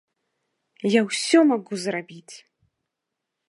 Я ўсё магу зрабіць!